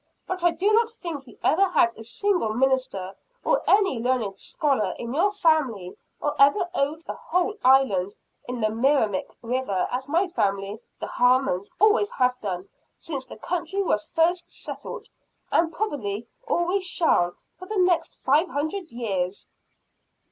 But I do not think you ever had a single minister, or any learned scholar, in your family, or ever owned a whole island, in the Merrimack river as my family, the Harmons, always have done, since the country was first settled and probably always shall, for the next five hundred years."